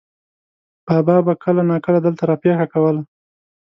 بابا به کله ناکله دلته را پېښه کوله.